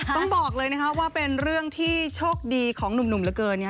ต้องบอกเลยนะคะว่าเป็นเรื่องที่โชคดีของหนุ่มเหลือเกิน